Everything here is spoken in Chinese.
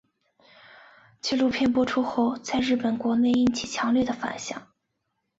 纪录片播出后在日本国内引起强烈反响。